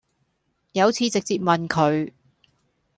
有次直接問佢